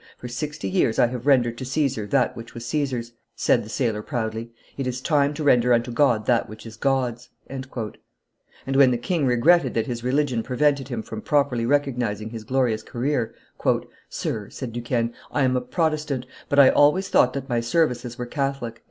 "For sixty years I have rendered to Caesar that which was Caesar's," said the sailor proudly; "it is time to render unto God that which is God's." And, when the king regretted that his religion prevented him from properly recognizing his glorious career, "Sir," said Duquesne, "I am a Protestant, but I always thought that my services were Catholic."